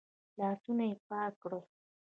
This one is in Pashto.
لاسونه يې پاک کړل.